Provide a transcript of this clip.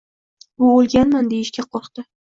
U oʻlganman, deyishga qoʻrqdi.